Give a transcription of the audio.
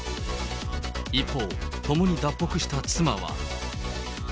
一方、共に脱北した妻は。